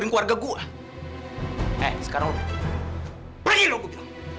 kenapa suami saya dibunuh